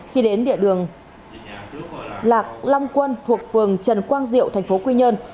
khi đến địa đường lạc long quân thuộc phường trần quang diệu thành phố quy nhơn